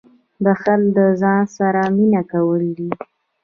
• بښل له ځان سره مینه کول دي.